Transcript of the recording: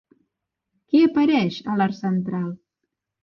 Qui apareix a l'arc central?